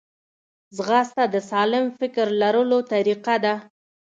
ځغاسته د سالم فکر لرلو طریقه ده